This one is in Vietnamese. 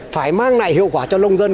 phải mang lại hiệu quả cho nông dân